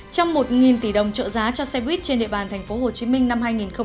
trong một tỷ đồng trợ giá cho xe buýt trên địa bàn tp hcm năm hai nghìn hai mươi